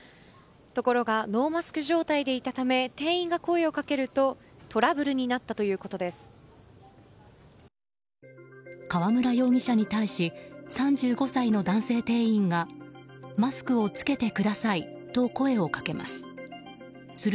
ところがノーマスク状態でいたため店員が声をかけると河村容疑者に対し３５歳の男性店員がマスクを着けてくださいと声をかけます。